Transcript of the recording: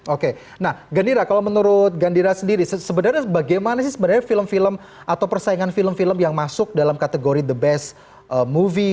oke nah gandhira kalau menurut gandhira sendiri sebenarnya bagaimana sih sebenarnya film film atau persaingan film film yang masuk dalam kategori the best movie